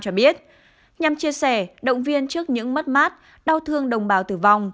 cho biết nhằm chia sẻ động viên trước những mất mát đau thương đồng bào tử vong